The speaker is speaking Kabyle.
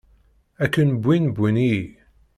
Akken wwin wwin-iyi.